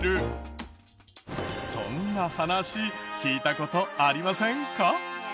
そんな話聞いた事ありませんか？